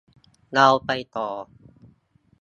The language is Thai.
เราไปต่อ